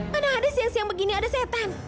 mana ada siang siang begini ada setan